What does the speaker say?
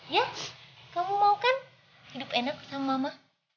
ya kamu mau kan hidup enak sama mama